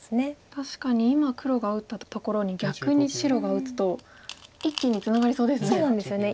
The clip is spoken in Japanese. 確かに今黒が打ったところに逆に白が打つと一気にツナがりそうですね。